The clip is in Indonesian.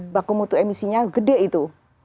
bakumutu emisinya gede itu